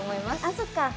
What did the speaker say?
あそうか。